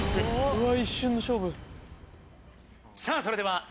うわ！